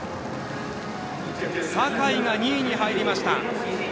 坂井が２位に入りました。